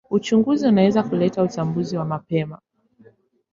Uchunguzi unaweza kuleta utambuzi wa mapema.